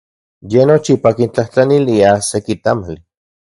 Ye nochipa kintlajtlanilia seki tamali.